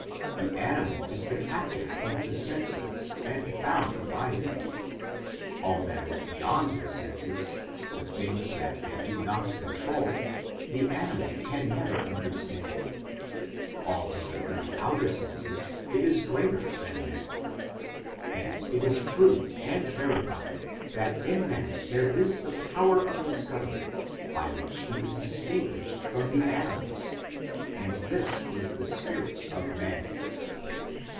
The animal is the captive of the senses and bound by them ; all that is beyond the senses, POWERS AND CONDITIONS OF MAN 219 the things that they do not control, the animal can never understand ; although in the outer senses it is greater than man. Hence it is proved and verified that in man there is a power of discovery by which he is distinguished from the animals, and this is the spirit of man.